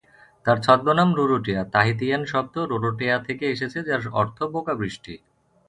তার ছদ্মনাম, রুরুটিয়া, তাহিতিয়ান শব্দ 'রোরোটেয়া' থেকে এসেছে যার অর্থ "বোকা বৃষ্টি"।